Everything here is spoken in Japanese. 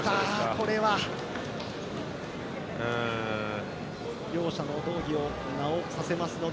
これは。両者の道着を直させた。